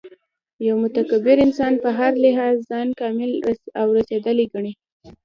یو متکبر انسان په هر لحاظ ځان کامل او رسېدلی ګڼي